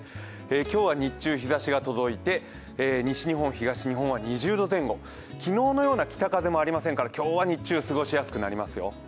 今日は日中、日ざしが届いて、西日本、東日本は２０度前後、昨日のような北風もありませんから今日は過ごしやすくなりますよ。